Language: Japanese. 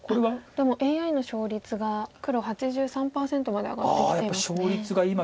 でもＡＩの勝率が黒８３％まで上がってきていますね。